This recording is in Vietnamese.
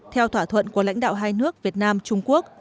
theo thỏa thuận của lãnh đạo hai nước việt nam trung quốc